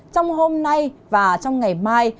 trong hôm nay và trong ngày mai